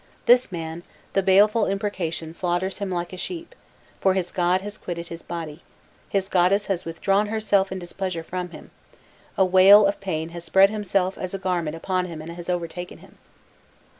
This man, the baleful imprecation slaughters him like a sheep, for his god has quitted his body his goddess has withdrawn herself in displeasure from him, a wail of pain has spread itself as a garment upon him and has overtaken him!"